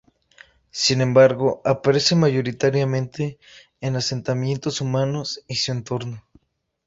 Sin embargo, aparece mayoritariamente en asentamientos humanos y su entorno.